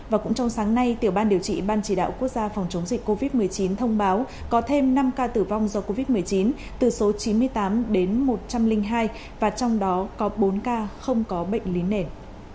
và cũng trong sáng nay tiểu ban điều trị ban chỉ đạo quốc gia phòng chống dịch covid một mươi chín thông báo có thêm năm ca tử vong do covid một mươi chín từ số chín mươi tám đến một trăm linh hai và trong đó có bốn ca không có bệnh lý nền